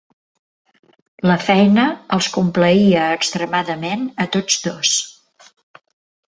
La feina els complaïa extremadament a tots dos.